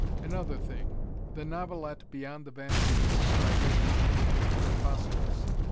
Another thing: the novelette "Beyond the Vanishing Point," by Ray Cummings, is preposterous.